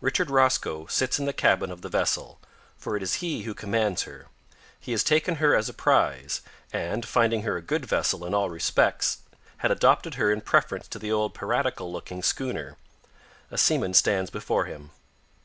Richard Rosco sits in the cabin of the vessel, for it is he who commands her. He had taken her as a prize, and, finding her a good vessel in all respects, had adopted her in preference to the old piratical looking schooner. A seaman stands before him.